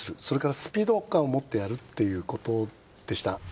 それからスピード感をもってやるっていうことでした。